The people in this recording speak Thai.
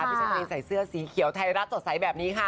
พี่แจกรีนใส่เสื้อสีเขียวไทยรัฐสดใสแบบนี้ค่ะ